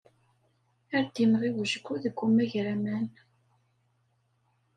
Ar d-imɣi wejgu deg umagraman!